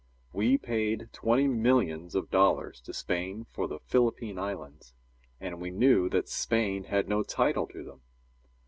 We paid twenty millions of dollars to Spain for the Philippine Islands, and we knew that Spain had no title to them.